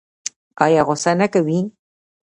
ایا غوسه نه کوي؟